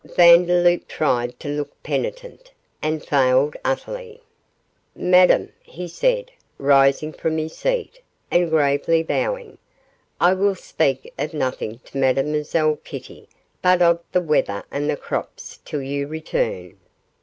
Vandeloup tried to look penitent, and failed utterly. 'Madame,' he said, rising from his seat, and gravely bowing, 'I will speak of nothing to Mademoiselle Kitty but of the weather and the crops till you return.